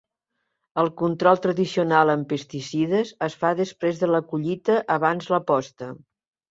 El control tradicional amb pesticides es fa després de la collita abans la posta.